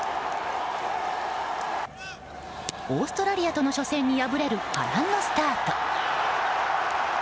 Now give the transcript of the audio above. オーストラリアとの初戦に敗れる波乱のスタート。